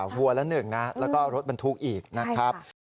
วัวละหนึ่งนะแล้วก็รถมันถูกอีกนะครับ